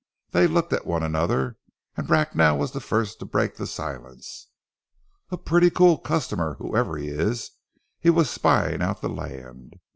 They looked at one another and Bracknell was the first to break the silence. "A pretty cool customer, whoever he is! He was spying out the land."